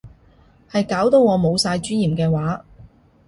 係搞到我冇晒尊嚴嘅話